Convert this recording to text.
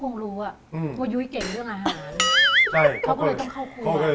ของคุณยายถ้วน